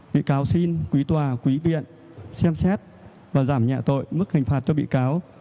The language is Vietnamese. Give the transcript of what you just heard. bị cáo xin quý tòa quý viện xem xét và giảm nhẹ tội mức hình phạt cho bị cáo